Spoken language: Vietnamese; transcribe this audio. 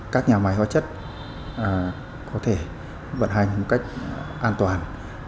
các nhà máy hóa chất có thể vận hành một cách an toàn